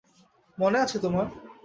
মনে আছে তোমার?